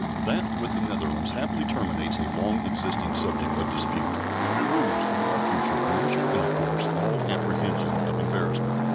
That with the Netherlands happily terminates a long existing subject of dispute and removes from our future commercial intercourse all apprehension of embarrassment.